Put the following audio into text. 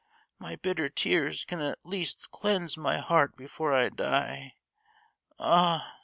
my bitter tears can at least cleanse my heart before I die. Ah!